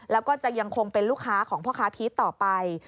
แล้วก็จะยังคงเป็นลูกค้าของพ่อค้าพีชต่อไป